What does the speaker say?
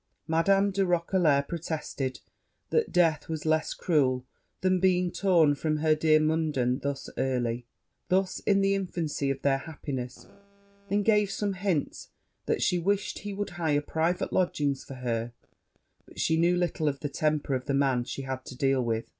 Mademoiselle de Roquelair protested that death was less cruel than being torn from her dear Munden thus early thus in the infancy of their happiness; and gave some hints that she wished he would hire private lodgings for her: but she knew little of the temper of the man she had to deal with.